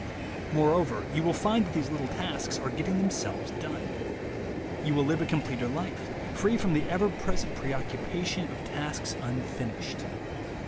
Moreover, you will find that these little tasks are getting themselves done. You will live a completer life, free from the ever present preoccupation of tasks unfinished.